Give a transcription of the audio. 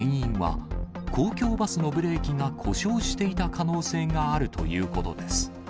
地元メディアによりますと、事故の原因は、公共バスのブレーキが故障していた可能性があるということです。